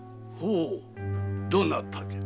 どなたじゃ？